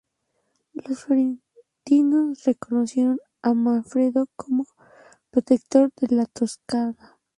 Los florentinos reconocieron a Manfredo como protector de la Toscana.